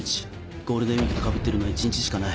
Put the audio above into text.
ゴールデンウイークとかぶっているのは一日しかない。